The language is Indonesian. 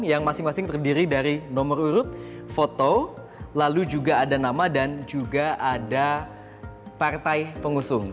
yang masing masing terdiri dari nomor urut foto lalu juga ada nama dan juga ada partai pengusung